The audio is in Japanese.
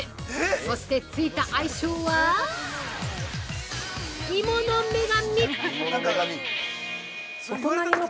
そしてついた愛称は「芋の女神」。